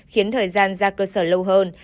khiến thời gian ra cơ sở lâu hơn